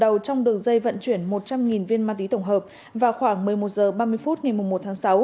đầu trong đường dây vận chuyển một trăm linh viên ma túy tổng hợp vào khoảng một mươi một h ba mươi phút ngày một tháng sáu